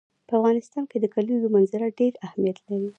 په افغانستان کې د کلیزو منظره ډېر اهمیت لري.